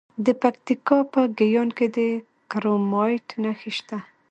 د پکتیکا په ګیان کې د کرومایټ نښې شته.